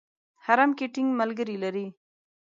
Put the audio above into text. حرم کې ټینګ ملګري لري.